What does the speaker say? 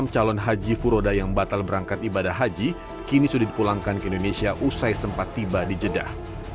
enam calon haji furoda yang batal berangkat ibadah haji kini sudah dipulangkan ke indonesia usai sempat tiba di jeddah